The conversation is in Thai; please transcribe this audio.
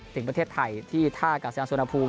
ถึงประเทศไทยที่ท่ากาศยานสุนภูมิ